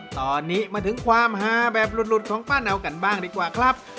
ตอนนี้มาถึงความฮาแบบหลุดของป้าเนากันบ้างดีกว่าครับ